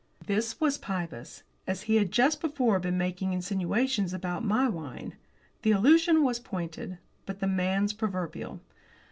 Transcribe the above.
This was Pybus! As he had just before been making insinuations about my wine, the allusion was pointed. But the man's proverbial.